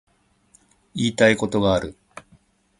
言いたいことがある